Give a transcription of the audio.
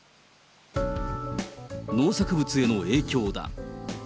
農作物への影響だ。